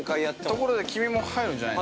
◆ところで君も入るんじゃないの？